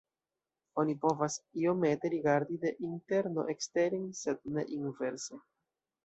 Oni povas iomete rigardi de interno eksteren sed ne inverse.